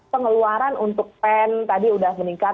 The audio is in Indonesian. pengeluaran untuk pen tadi sudah meningkat